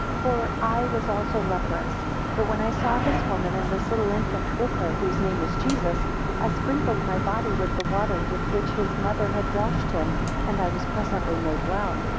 19 For I was also leprous; but when I saw this woman, and this little infant with her, whose name is Jesus, I sprinkled my body with the water with which his mother had washed him and I was presently made well.